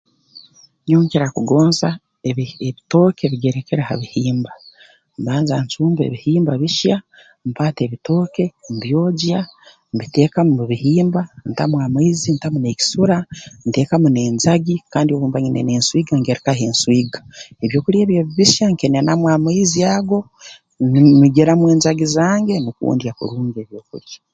Nyowe nkira kugonza ebih ebitooke bigerekere ebihimba mbanza ncumba ebihimba bihya mpaata ebitooke mbyogya mbiteeka mu bihimba ntamu amaizi ntamu n'ekisura nteekamu n'enjagi kandi obu mba nyine n'enswiga ngerekaho enswiga ebyokulya ebyo obu bihya nkenenamu amaizi ago mm migiramu enjagi zange nukwo ndya kurungi ebyokulya